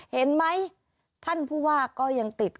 เห็นไหมท่านผู้ว่าก็ยังติด